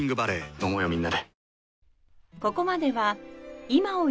飲もうよみんなで。